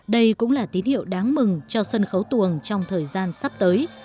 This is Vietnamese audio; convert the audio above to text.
đây cũng là tín hiệu đáng mừng cho sân khấu tuồng trong thời gian sắp tới